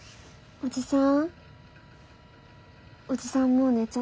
おじさん